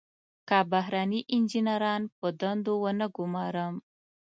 که بهرني انجنیران په دندو ونه ګمارم.